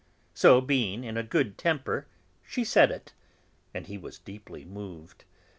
So, being in a good temper, she said it; and he was deeply moved.